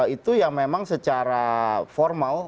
itu yang memang secara formal